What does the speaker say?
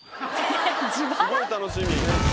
すごい楽しみ。